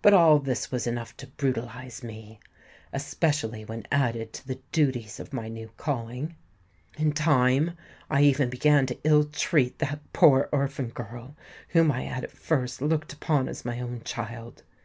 But all this was enough to brutalize me,—especially when added to the duties of my new calling. In time I even began to ill treat that poor orphan girl whom I had at first looked upon as my own child.